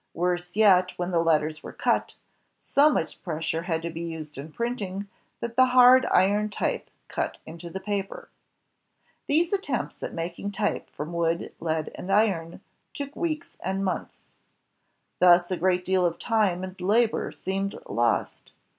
Worse yet, when the letters were cut, so much pressure had to be used in printing, that the hard iron type cut into the paper. These attempts at making type from wood, lead, and iron took weeks and months. Thus a great deal of time and labor seemed lost.